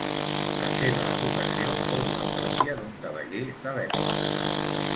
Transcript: La seva educació fou la pròpia d'un cavaller de l'època.